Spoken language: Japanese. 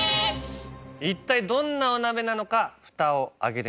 一体どんなお鍋なのかふたを開けてみてください。